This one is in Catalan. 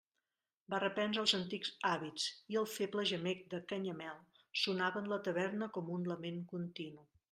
Va reprendre els antics hàbits, i el feble gemec de Canyamel sonava en la taverna com un lament continu.